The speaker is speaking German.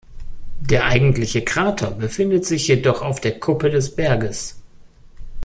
Der eigentliche Krater befindet sich jedoch auf der Kuppe des Berges.